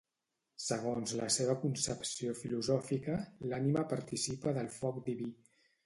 Segons la seva concepció filosòfica, l'ànima participa del foc diví.